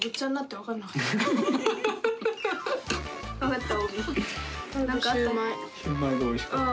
分かった？